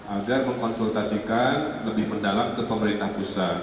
agar mengkonsultasikan lebih mendalam ke pemerintah pusat